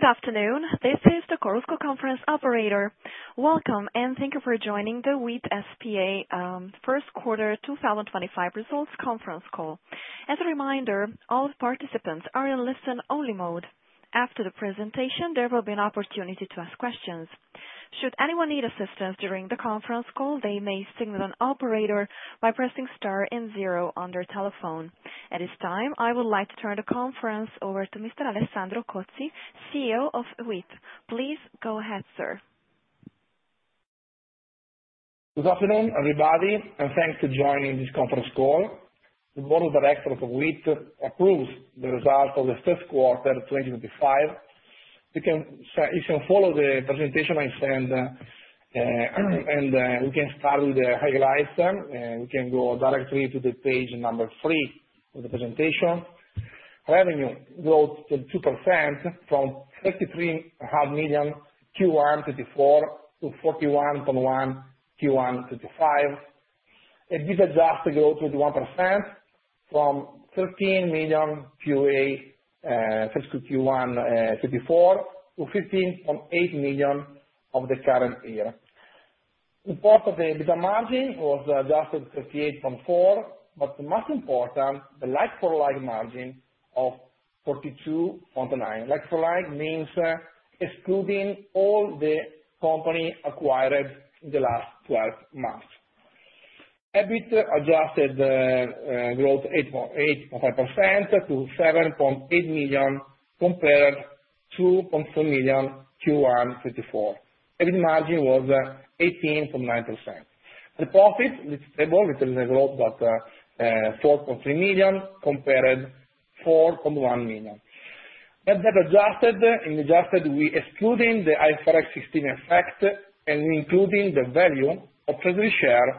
Good afternoon. This is the CORUSCO conference operator. Welcome, and thank you for joining the Wiit SpA First Quarter 2025 results conference call. As a reminder, all participants are in listen-only mode. After the presentation, there will be an opportunity to ask questions. Should anyone need assistance during the conference call, they may signal an operator by pressing star and zero on their telephone. At this time, I would like to turn the conference over to Mr. Alessandro Cozzi, CEO of Wiit. Please go ahead, sir. Good afternoon, everybody, and thanks for joining this conference call. The board of directors of Wiit approves the result of the first quarter 2025. You can follow the presentation I sent, and we can start with the highlights, and we can go directly to the page number three of the presentation. Revenue growth to 22% from 33.5 million Q1 2024 to 41.1 million Q1 2025. EBITDA adjusted to grow to 21% from 13 million Q1 2024 to 15.8 million of the current year. The part of the EBITDA margin was adjusted to 38.4%, but the most important, the like-for-like margin of 42.9%. Like-for-like means, excluding all the company acquired in the last 12 months. EBIT adjusted, growth 8.5% to 7.8 million compared to 7.2 million Q1 2024. EBIT margin was 18.9%. The profit is stable within the growth of 4.3 million compared to 4.1 million. EBIT adjusted and adjusted with excluding the IFRS 16 effect and including the value of treasury shares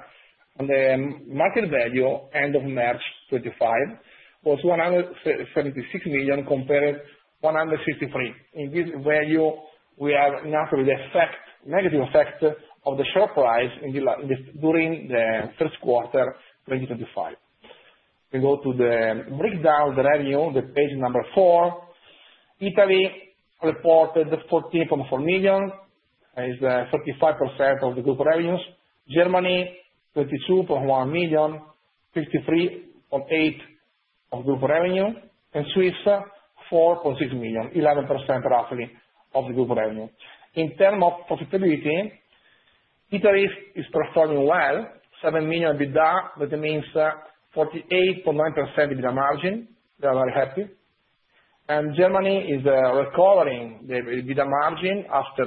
on the market value end of March 2025 was 176 million compared to 163 million. In this value, we have enough of the effect, negative effect of the share price in the la in this during the first quarter 2025. We go to the breakdown of the revenue on the page number four. Italy reported 14.4 million, is, 35% of the group revenues. Germany, 22.1 million, 53.8% of group revenue, and Switzerland, 4.6 million, 11% roughly of the group revenue. In terms of profitability, Italy is performing well, 7 million EBITDA, which means 48.9% EBITDA margin. They are very happy. Germany is recovering the EBITDA margin after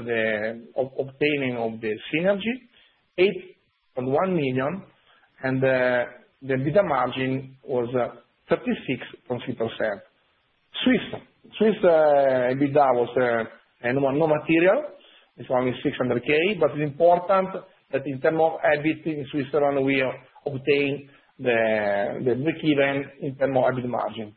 obtaining the synergy, 8.1 million, and the EBITDA margin was 36.3%. Switzerland EBITDA was normal material. It's only 600,000, but it's important that in terms of EBIT in Switzerland, we obtain the break-even in terms of EBIT margin.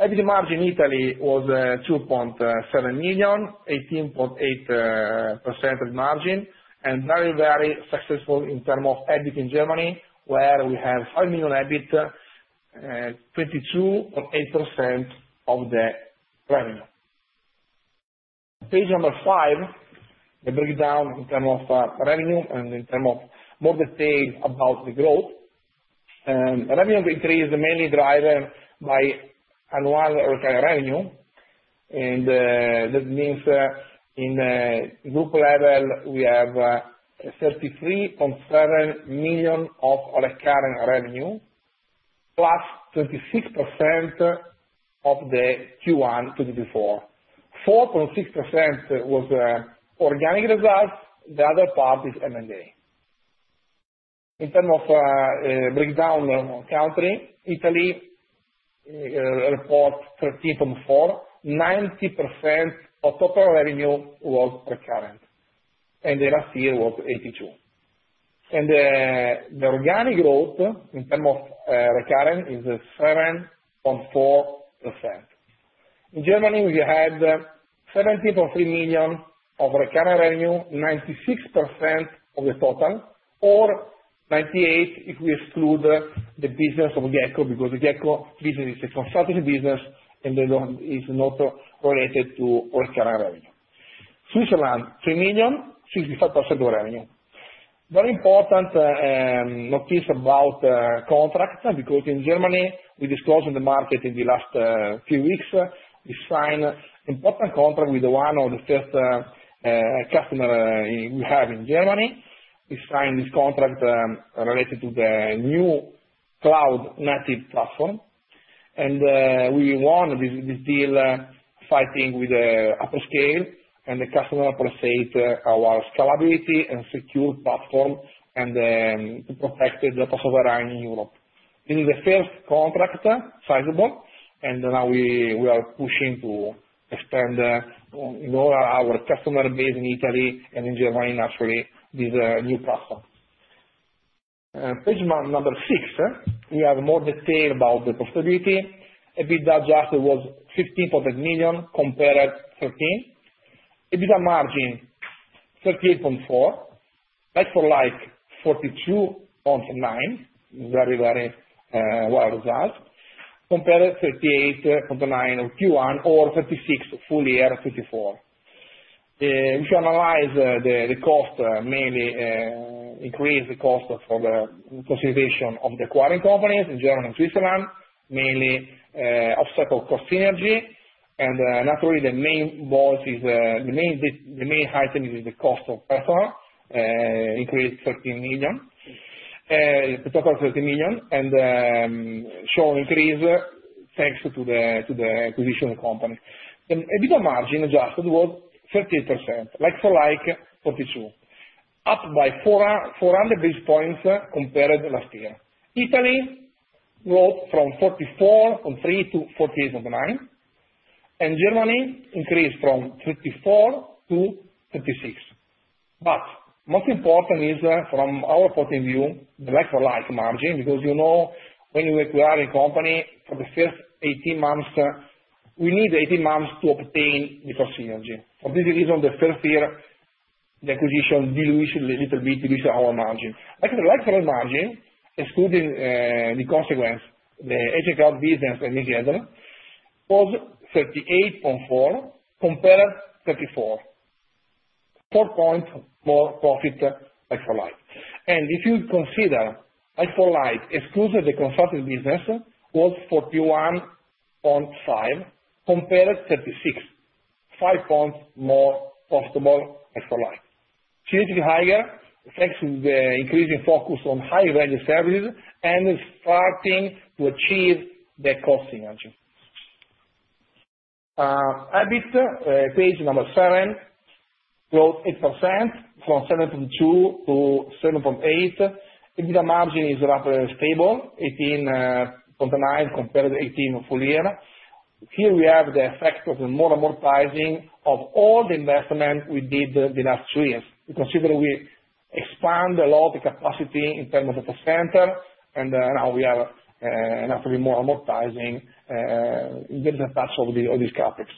EBIT margin in Italy was 2.7 million, 18.8% of margin, and very, very successful in terms of EBIT in Germany, where we have 5 million EBIT, 22.8% of the revenue. Page number five, the breakdown in terms of revenue and in terms of more detail about the growth. Revenue increase mainly driven by annual recurring revenue, and that means, in group level, we have 33.7 million of recurring revenue, plus 26% of the Q1 2024. 4.6% was organic results. The other part is M&A. In terms of breakdown of country, Italy reports 13.4. 90% of total revenue was recurrent, and the last year was 82. The organic growth in terms of recurrent is 7.4%. In Germany, we had 17.3 million of recurring revenue, 96% of the total, or 98% if we exclude the business of Geico because Geico business is a consulting business, and they don't is not related to recurring revenue. Switzerland, 3 million, 65% of revenue. Very important, notice about contract because in Germany, we disclosed in the market in the last few weeks, we signed an important contract with one of the first customers we have in Germany. We signed this contract, related to the new Cloud Native Platform, and we won this deal, fighting with UpScale and the customer per se to our scalability and secure platform and to protect the data sovereign in Europe. This is the first contract sizable, and now we are pushing to expand in all our customer base in Italy and in Germany, naturally, with a new platform. Page number six, we have more detail about the profitability. EBITDA adjusted was 15.8 million compared to 13 million. EBITDA margin, 38.4%. Like-for-like, 42.9%, very, very well adjusted, compared to 38.9% of Q1 or 36% full year 2024. We can analyze the cost, mainly increase the cost for the consolidation of the acquiring companies in Germany and Switzerland, mainly offset of cost synergy, and, naturally, the main voice is, the main item is the cost of personnel, increased 13 million, total 13 million, and show increase thanks to the acquisition of the company. EBITDA margin adjusted was 13%. Like-for-like, 42%, up by 400-400 basis points compared to last year. Italy growth from 44.3 to 48.9, and Germany increased from 34 to 36. Most important is, from our point of view, the like-for-like margin because you know when you acquire a company for the first 18 months, we need 18 months to obtain the cost synergy. For this reason, the first year, the acquisition diluished a little bit, diluished our margin. Like-for-like margin, excluding, the consequence, the aging cloud business and the other was 38.4 compared to 34, 4 point more profit like-for-like. If you consider like-for-like excluded the consulting business, it was 41.5 compared to 36, 5 point more profitable like-for-like. Significantly higher thanks to the increasing focus on high-value services and starting to achieve the cost synergy. EBIT, page number seven, growth 8% from 7.2 to 7.8. EBITDA margin is rather stable, 18.9 compared to 18 full year. Here we have the effect of the more and more pricing of all the investment we did the last two years. We consider we expand a lot of capacity in terms of data center, and, now we are, naturally more and more pricing, in terms of touch of the of these graphics.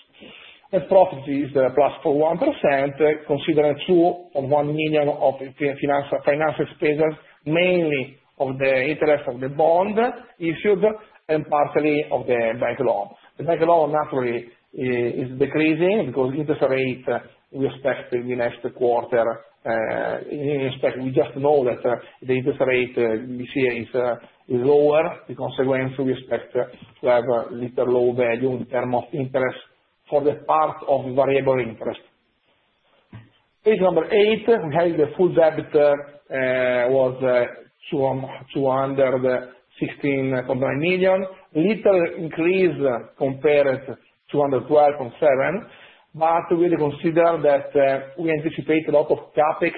Net profit is, plus 41% considering 2.1 million of financial expenses, mainly of the interest of the bond issued and partially of the bank loan. The bank loan, naturally, is decreasing because interest rate we expect in the next quarter, in, in respect. We just know that the interest rate, this year is, is lower. The consequence, we expect to have a little low value in terms of interest for the part of variable interest. Page number eight, we have the full debt, was, 216.9 million. Little increase compared to 212.7, but we did consider that, we anticipate a lot of CapEx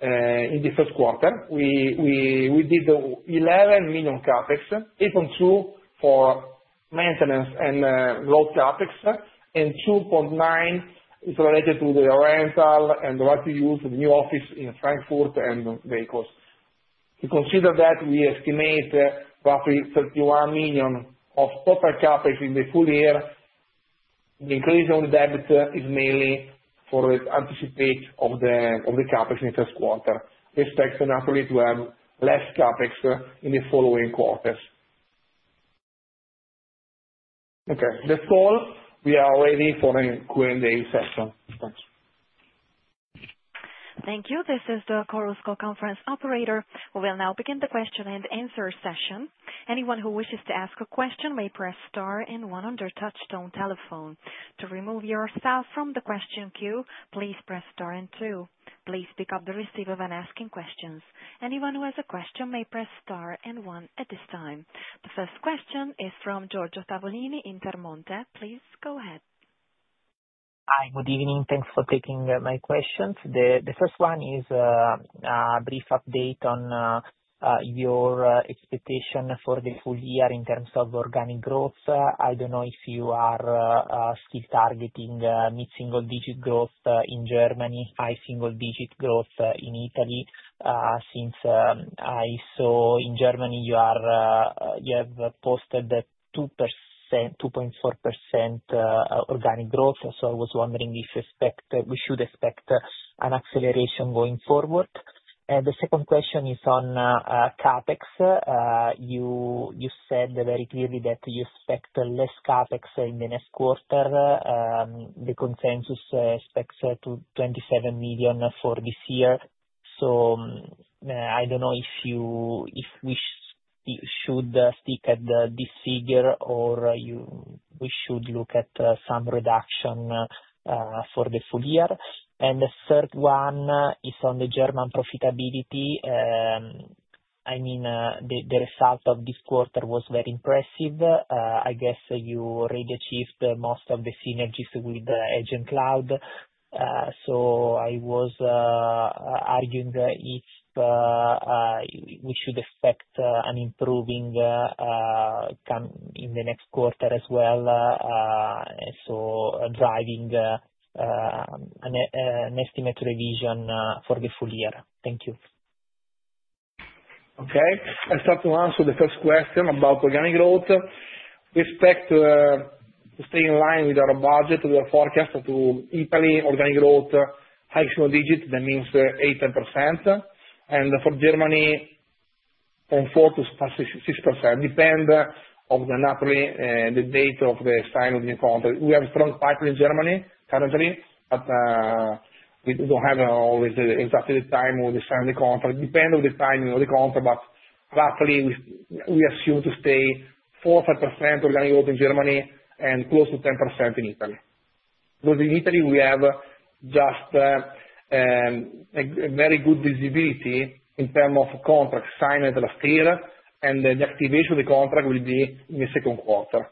in the first quarter. We did 11 million CapEx, 8.2 million for maintenance and growth CapEx, and 2.9 million is related to the rental and the right to use the new office in Frankfurt and the vehicles. We consider that we estimate roughly 31 million of total CapEx in the full year. The increase on the debt is mainly for the anticipate of the CapEx in the first quarter. We expect, naturally, to have less CapEx in the following quarters. Okay. That's all. We are ready for a Q&A session. Thanks. Thank you. This is the CORUSCO conference operator. We will now begin the question and answer session. Anyone who wishes to ask a question may press star and one on their touchstone telephone. To remove yourself from the question queue, please press star and two. Please pick up the receiver when asking questions. Anyone who has a question may press star and one at this time. The first question is from Giorgio Tavolini in Termonte. Please go ahead. Hi. Good evening. Thanks for taking my questions. The first one is, brief update on your expectation for the full year in terms of organic growth. I don't know if you are still targeting mid-single-digit growth in Germany, high single-digit growth in Italy. Since I saw in Germany, you have posted 2%, 2.4% organic growth. I was wondering if you expect we should expect an acceleration going forward. The second question is on CapEx. You said very clearly that you expect less CapEx in the next quarter. The consensus expects 27 million for this year. I don't know if you if we should stick at this figure or we should look at some reduction for the full year. The third one is on the German profitability. I mean, the result of this quarter was very impressive. I guess you already achieved most of the synergies with Edge&Cloud. I was arguing if we should expect an improving come in the next quarter as well, driving an estimate revision for the full year. Thank you. Okay. I start to answer the first question about organic growth. We expect, to stay in line with our budget, with our forecast to Italy, organic growth, high single digit, that means 8-10%. For Germany, from 4-6%. Depend of the naturally, the date of the signing of the new contract. We have a strong pipeline in Germany currently, but we do not have always exactly the time when we sign the contract. Depend of the timing of the contract, but roughly we assume to stay 4-5% organic growth in Germany and close to 10% in Italy. Because in Italy, we have just a very good visibility in terms of contract signed last year, and the activation of the contract will be in the second quarter.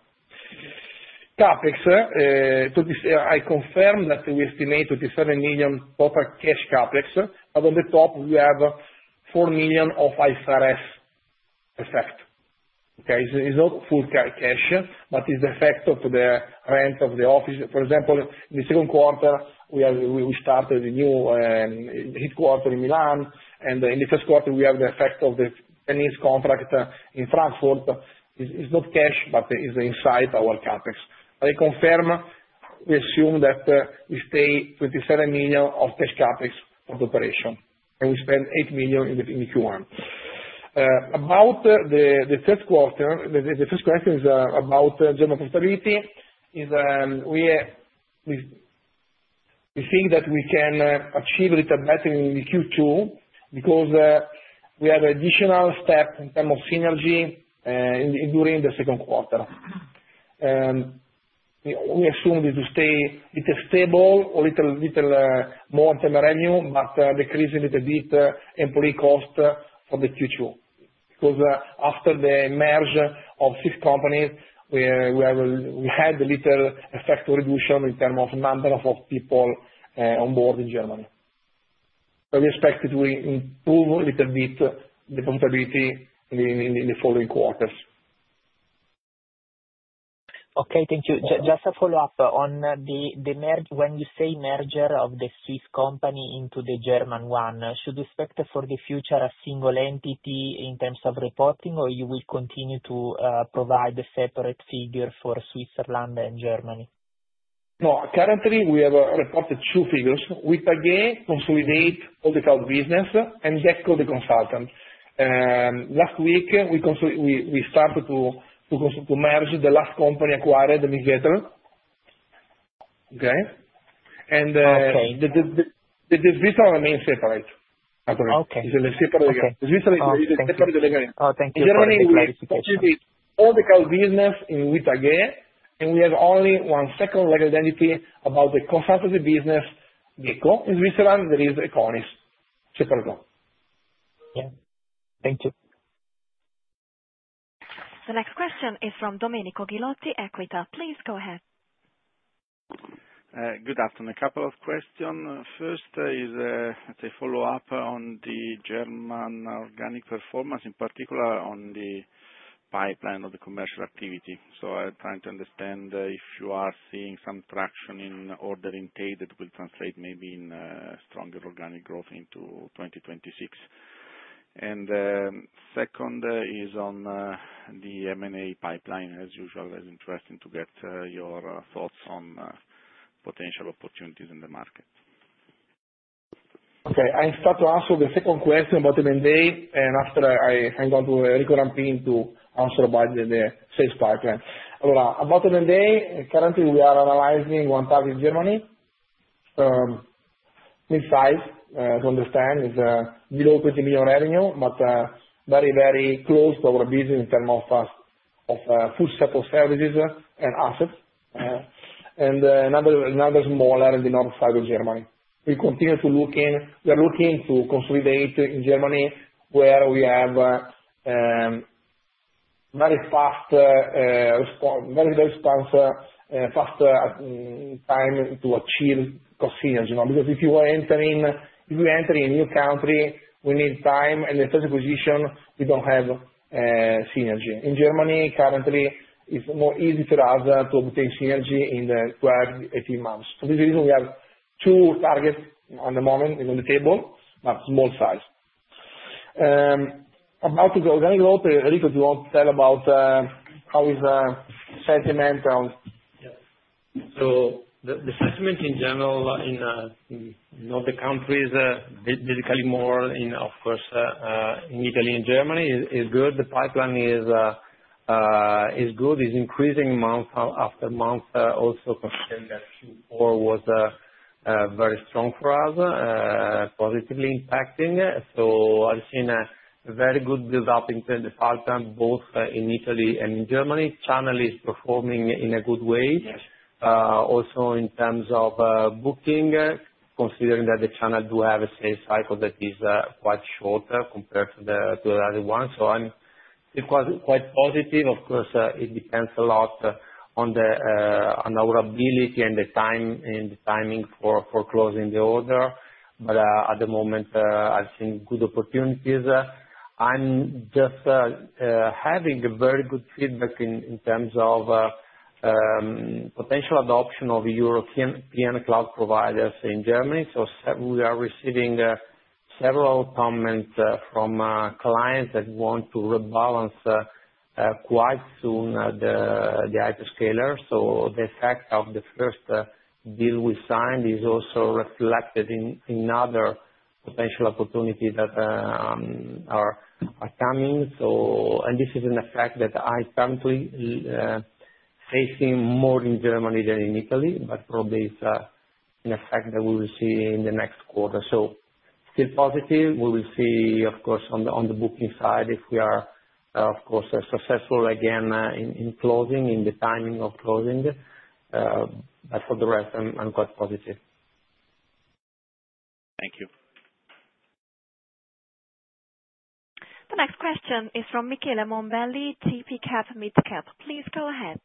CapEx, to this, I confirm that we estimate 27 million total cash CapEx, but on the top, we have 4 million of IFRS 16 effect. Okay? It's not full cash, but it's the effect of the rent of the office. For example, in the second quarter, we started the new headquarter in Milan, and in the first quarter, we have the effect of the 10 years contract in Frankfurt. It's not cash, but it's inside our CapEx. I confirm we assume that we stay 27 million of cash CapEx of the operation, and we spend 8 million in the Q1. About the third quarter, the first question is about German profitability. We think that we can achieve a little better in the Q2 because we have additional step in terms of synergy during the second quarter. We assume this will stay a little stable or a little more in terms of revenue, but decreasing a little bit employee cost for Q2 because after the merge of six companies, we had a little effect reduction in terms of number of people on board in Germany. We expect it will improve a little bit the profitability in the following quarters. Okay. Thank you. Just a follow-up on the, the merger when you say merger of the Swiss company into the German one, should we expect for the future a single entity in terms of reporting, or you will continue to provide a separate figure for Switzerland and Germany? No. Currently, we have reported two figures. We again consolidate all the cloud business and deckle the consultants. Last week, we started to merge the last company acquired, the Mieter. Okay? Okay. Switzerland remains separate. Okay. It's separate again. Switzerland is a separate delegation. Oh, thank you. In Germany, we exclusively all the cloud business in WITAG, and we have only one second legal entity about the consulting business. Geico in Switzerland, there is Econis. Separate one. Yeah. Thank you. The next question is from Domenico Gilotti, Equita. Please go ahead. Good afternoon. A couple of questions. First is, it's a follow-up on the German organic performance, in particular on the pipeline of the commercial activity. I'm trying to understand if you are seeing some traction in ordering pay that will translate maybe in stronger organic growth into 2026. Second is on the M&A pipeline. As usual, it's interesting to get your thoughts on potential opportunities in the market. Okay. I start to answer the second question about M&A, and after, I hang on to Eric Rampin to answer about the sales pipeline. Alright. About M&A, currently, we are analyzing one-third in Germany, mid-size, to understand, is, below 20 million revenue, but very, very close to our business in terms of full set of services and assets, and another, another smaller in the north side of Germany. We continue to look in, we are looking to consolidate in Germany where we have very fast, very, very responsive, fast time to achieve cost synergy. Now, because if you are entering, if you enter a new country, we need time, and the first acquisition, we do not have synergy. In Germany, currently, it is more easy for us to obtain synergy in 12-18 months. For this reason, we have two targets at the moment on the table, but small size. About the organic growth, Eric, if you want to tell about, how is, sentiment around. Yeah. The sentiment in general in all the countries, basically more in, of course, in Italy and Germany, is good. The pipeline is good. It's increasing month after month, also considering that Q4 was very strong for us, positively impacting. I've seen a very good build-up in terms of the pipeline, both in Italy and in Germany. Channel is performing in a good way, also in terms of booking, considering that the channel does have a sales cycle that is quite short compared to the other one. It was quite positive. Of course, it depends a lot on our ability and the time and the timing for closing the order. At the moment, I've seen good opportunities. I'm just having very good feedback in terms of potential adoption of European cloud providers in Germany. We are receiving several comments from clients that want to rebalance quite soon the hyperscalers. The effect of the first deal we signed is also reflected in other potential opportunities that are coming. This is an effect that I am currently facing more in Germany than in Italy, but probably it is an effect that we will see in the next quarter. Still positive. We will see, of course, on the booking side if we are successful again in the timing of closing. For the rest, I am quite positive. Thank you. The next question is from Michela Mombelli, TP Cap MidCap. Please go ahead.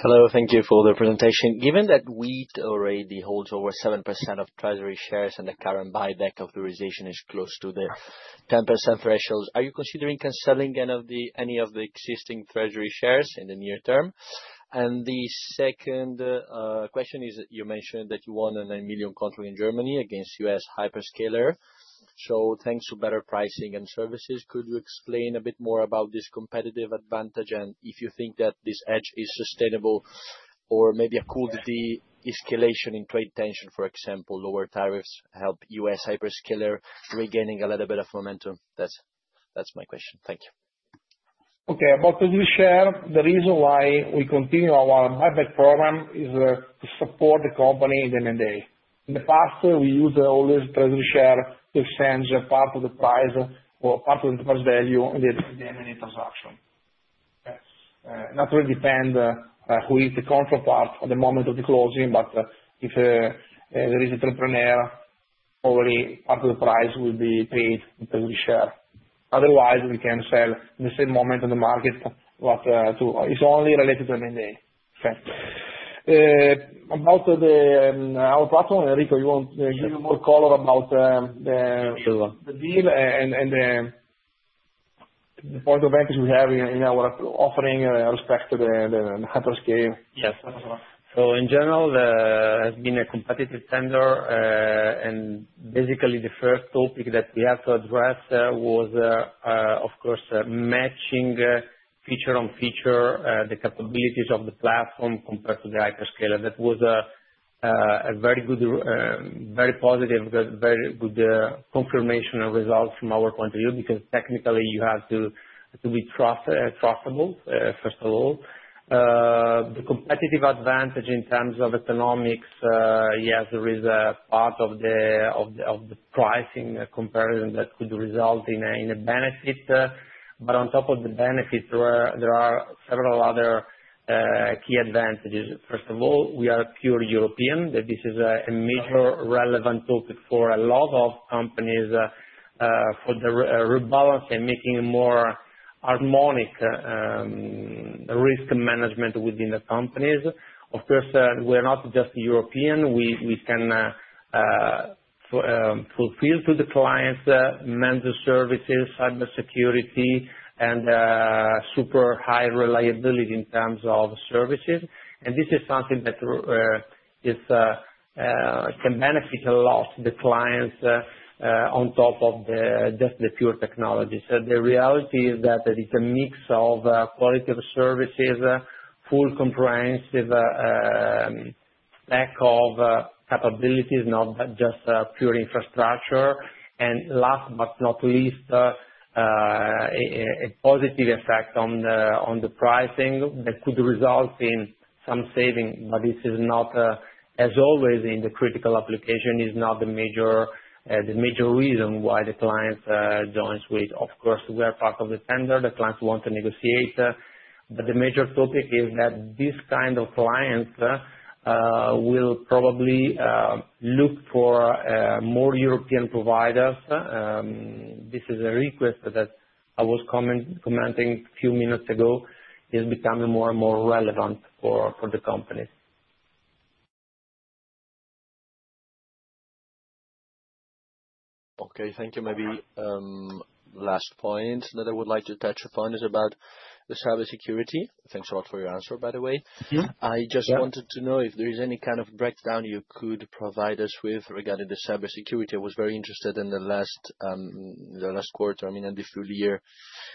Hello. Thank you for the presentation. Given that WITAG already holds over 7% of treasury shares and the current buyback authorization is close to the 10% thresholds, are you considering cancelling any of the existing treasury shares in the near term? The second question is you mentioned that you won a 9 million contract in Germany against U.S. hyperscalers. Thanks to better pricing and services, could you explain a bit more about this competitive advantage and if you think that this edge is sustainable or maybe a cool de-escalation in trade tension, for example, lower tariffs help U.S. hyperscalers regaining a little bit of momentum? That's my question. Thank you. Okay. About treasury share, the reason why we continue our buyback program is, to support the company in the M&A. In the past, we used always treasury share to exchange part of the price or part of the commercial value in the, the M&A transaction. Okay? Naturally, depend, who is the counterpart at the moment of the closing, but if, there is an entrepreneur, already part of the price will be paid in treasury share. Otherwise, we can sell in the same moment in the market, but, to it's only related to M&A. Okay? About the, our platform, Eric, you want to give more color about, the. Sure. The deal and the point of entry we have in our offering respect to the hyperscale. Yes. In general, it's been a competitive tender, and basically the first topic that we have to address was, of course, matching feature on feature, the capabilities of the platform compared to the hyperscaler. That was a very good, very positive, very good confirmation and result from our point of view because technically you have to be trustable, first of all. The competitive advantage in terms of economics, yes, there is a part of the pricing comparison that could result in a benefit. On top of the benefit, there are several other key advantages. First of all, we are pure European. This is a major relevant topic for a lot of companies, for the rebalancing and making a more harmonic risk management within the companies. Of course, we are not just European. We can fulfill to the clients managed services, cybersecurity, and super high reliability in terms of services. This is something that can benefit a lot the clients, on top of just the pure technologies. The reality is that it is a mix of quality of services, full comprehensive stack of capabilities, not just pure infrastructure. Last but not least, a positive effect on the pricing that could result in some saving, but this is not, as always in the critical application, is not the major reason why the client joins Wiit. Of course, we are part of the tender. The clients want to negotiate. The major topic is that this kind of client will probably look for more European providers. This is a request that I was commenting a few minutes ago is becoming more and more relevant for the company. Okay. Thank you. Maybe, last point that I would like to touch upon is about the cybersecurity. Thanks a lot for your answer, by the way. Yeah. I just wanted to know if there is any kind of breakdown you could provide us with regarding the cybersecurity. I was very interested in the last, the last quarter, I mean, and the full year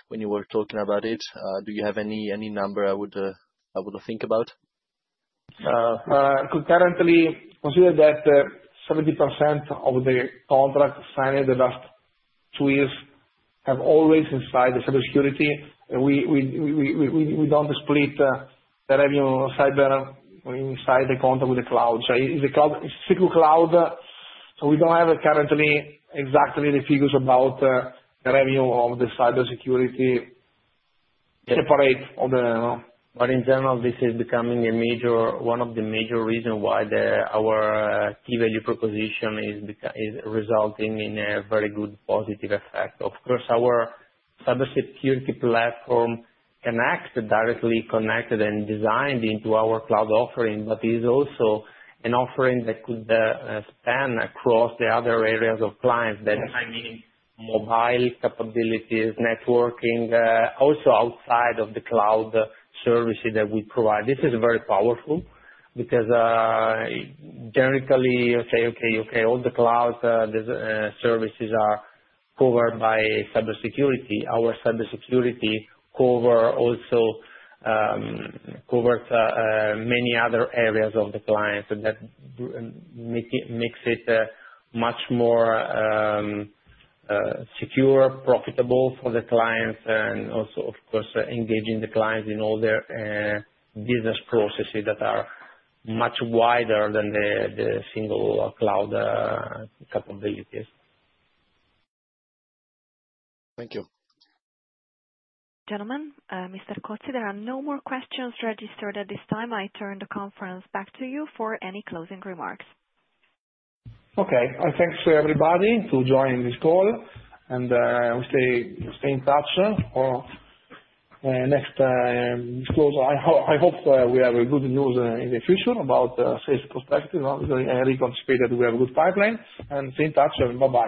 when you were talking about it. Do you have any number I would think about? I could currently consider that 70% of the contracts signed in the last two years have always inside the cybersecurity. We don't split the revenue inside the contract with the cloud. So it's a cloud, it's SQL cloud. We don't have currently exactly the figures about the revenue of the cybersecurity separate on the. In general, this is becoming one of the major reasons why our key value proposition is resulting in a very good positive effect. Of course, our Cybersecurity Platform connects directly, connected, and designed into our cloud offering, but it is also an offering that could span across the other areas of clients. I mean mobile capabilities, networking, also outside of the cloud services that we provide. This is very powerful because, generically, you say, "Okay. Okay. All the cloud services are covered by cybersecurity." Our cybersecurity cover also covers many other areas of the client that make it much more secure, profitable for the clients, and also, of course, engaging the clients in all their business processes that are much wider than the single cloud capabilities. Thank you. Gentlemen, Mr. Cozzi, there are no more questions registered at this time. I turn the conference back to you for any closing remarks. Okay. Thanks to everybody to join this call. We stay in touch for next disclosure. I hope we have good news in the future about sales perspective. Eric, I speak that we have a good pipeline and stay in touch. I am about.